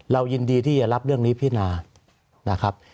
ยินดีที่จะรับเรื่องนี้พินานะครับ